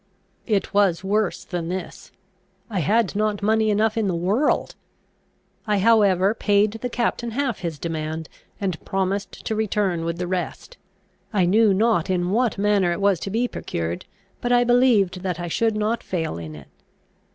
It was worse than this. I had not money enough in the world. I however paid the captain half his demand, and promised to return with the rest. I knew not in what manner it was to be procured, but I believed that I should not fail in it.